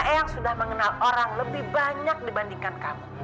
karena eang sudah mengenal orang lebih banyak dibandingkan kamu